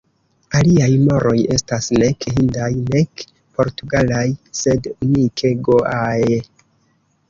Aliaj moroj estas nek hindaj nek portugalaj, sed unike goaaj.